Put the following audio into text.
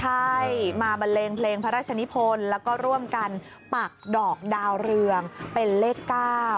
ใช่มาบันเลงเพลงพระราชนิพลแล้วก็ร่วมกันปักดอกดาวเรืองเป็นเลข๙